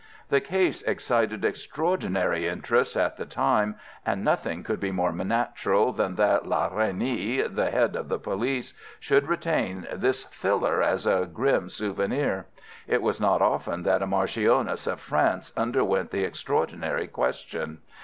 The case excited extraordinary interest at the time, and nothing could be more natural than that La Reynie, the head of the police, should retain this filler as a grim souvenir. It was not often that a marchioness of France underwent the extraordinary question.